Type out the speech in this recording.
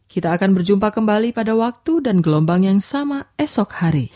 kita akan berjumpa kembali pada waktu dan gelombang yang sama esok hari